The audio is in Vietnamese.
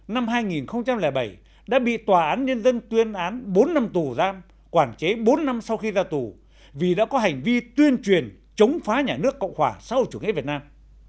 năm hai nghìn bảy đã bị tòa án nhân dân tuyên án bốn năm tù giam quản chế bốn năm sau khi ra tù vì đã có hành vi tuyên truyền chống phá nhà nước cộng hòa sau chủ nghĩa việt nam